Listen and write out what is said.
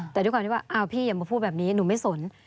แต่ด้วยความที่ว่าอ้าวพี่อย่ามาพูดแบบนี้หนูไม่สน